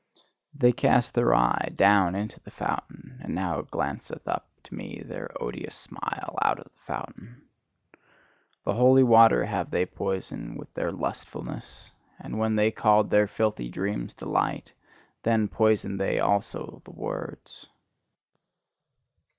They cast their eye down into the fountain: and now glanceth up to me their odious smile out of the fountain. The holy water have they poisoned with their lustfulness; and when they called their filthy dreams delight, then poisoned they also the words.